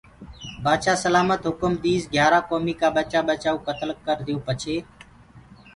بآدشآه سلآمت هُڪم ديسي گھِيآرآ ڪوميٚ ڪآ ٻچآ ٻچآ ڪو ڪتل ڪرديئو پڇي